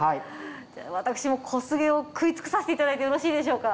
じゃあ私も小菅を食い尽くさせて頂いてよろしいでしょうか。